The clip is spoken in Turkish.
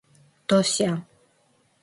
Dosya…